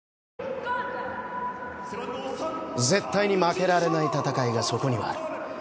絶対に負けられない戦いがそこにはある。